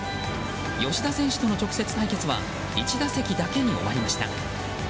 吉田選手との直接対決は１打席だけに終わりました。